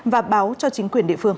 và báo cho chính quyền địa phương